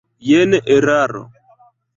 Jen eraro.